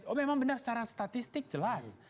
oh memang benar secara statistik jelas